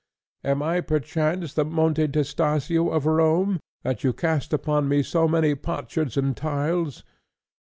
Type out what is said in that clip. Am I, perchance, the Monte Testacio of Rome, that you cast upon me so many potsherds and tiles?"